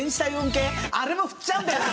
あれも振っちゃうんだよね